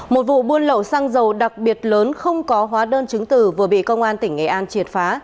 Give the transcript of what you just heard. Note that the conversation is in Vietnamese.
một vụ buôn lậu xăng dầu đặc biệt lớn không có hóa đơn chứng từ vừa bị công an tp hcm triệt phá